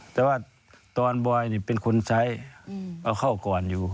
แต่ว่าตอนบอยนี่เป็นคนใช้เอาเข้าก่อนอยู่